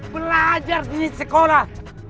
belajar di sekolah